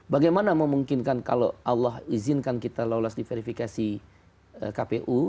bagaimana memungkinkan kalau allah izinkan kita lolos di verifikasi kpu